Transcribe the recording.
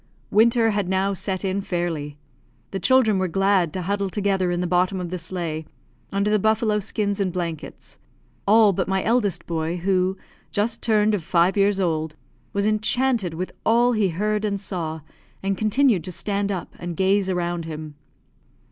Winter had now set in fairly. The children were glad to huddle together in the bottom of the sleigh, under the buffalo skins and blankets; all but my eldest boy, who, just turned of five years old, was enchanted with all he heard and saw, and continued to stand up and gaze around him.